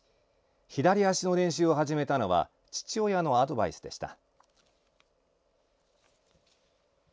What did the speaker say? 左足の練習を始めたのは父親のアドバイスでした。